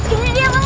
ini dia pak man